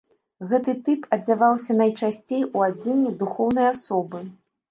Гэты тып адзяваўся найчасцей у адзенне духоўнай асобы.